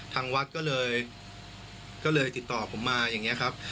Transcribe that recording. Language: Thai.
ทางวัดก็เลยติดต่อผมมาอย่างนี้ครับ